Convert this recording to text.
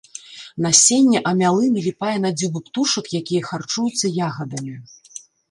Насенне амялы наліпае на дзюбы птушак, якія харчуюцца ягадамі.